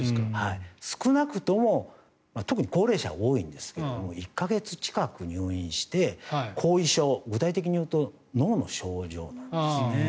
少なくとも特に高齢者は多いんですけれど１か月近く入院して後遺症具体的に言うと脳の症状なんですね。